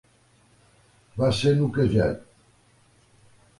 Va ser noquejat.